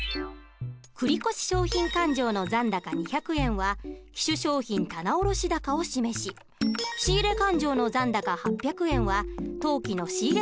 繰越商品勘定の残高２００円は期首商品棚卸高を示し仕入勘定の残高８００円は当期の仕入